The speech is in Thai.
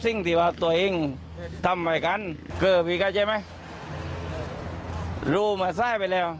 สิ่งที่ว่าตัวเองทำให้กันเกิดมีกันใช่ไหมรู้มาซ้ายไปแล้ว